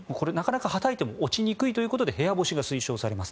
はたいても落ちにくいということで部屋干しが推奨されます。